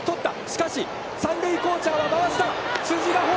しかし、三塁コーチャーは回した！